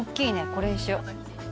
これにしよう。